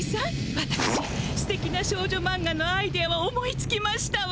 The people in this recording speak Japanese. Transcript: わたくしステキな少女マンガのアイデアを思いつきましたわ！